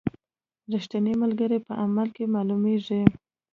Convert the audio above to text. رښتینی ملګری په عمل کې معلومیږي.